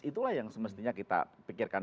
itulah yang semestinya kita pikirkan